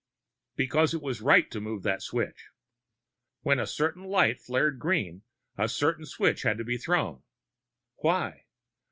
Because it was right to move that switch. When a certain light flared green, a certain switch had to be thrown. Why?